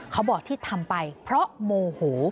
เขาบอกที่ทำไปเพราะโมโห